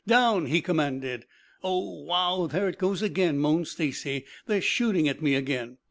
"Down!" he commanded. "Oh, wow! There it goes again," moaned Stacy. "They're shooting at me again!"